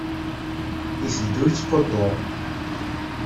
Iteddu yettqudur.